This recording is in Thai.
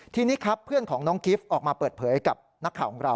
ทีนี้ครับเพื่อนของน้องกิฟต์ออกมาเปิดเผยกับนักข่าวของเรา